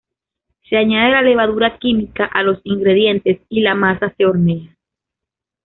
Se añade la levadura química a los ingredientes y la masa se hornea.